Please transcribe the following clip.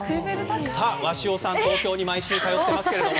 さあ鷲尾さん、東京に毎週通っていますけども。